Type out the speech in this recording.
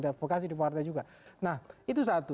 advokasi di partai juga nah itu satu